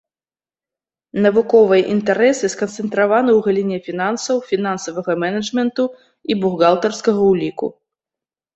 Навуковыя інтарэсы сканцэнтраваны ў галіне фінансаў, фінансавага менеджменту і бухгалтарскага ўліку.